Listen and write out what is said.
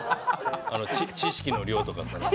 知識の量とかが。